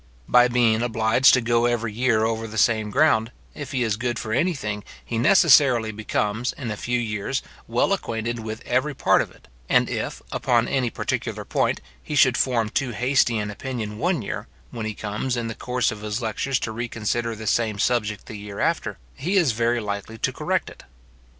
By being obliged to go every year over the same ground, if he is good for any thing, he necessarily becomes, in a few years, well acquainted with every part of it, and if, upon any particular point, he should form too hasty an opinion one year, when he comes, in the course of his lectures to reconsider the same subject the year thereafter, he is very likely to correct it.